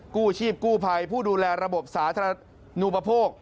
กู้ชีพกู้ภัยผู้ดูแลระบบสาธารณูปโภค